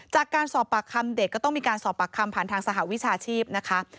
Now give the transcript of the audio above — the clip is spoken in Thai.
จากการสอบปากคำเด็กก็ต้องมีการสอบปากคำผ่านทางสหวิชาชีพนะคะ